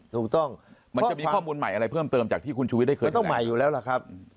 ถูกต้องมันจะมีข้อมูลใหม่อะไรเพิ่มเติมจากที่คุณชูวิทได้เคยเข้าใหม่อยู่แล้วล่ะครับ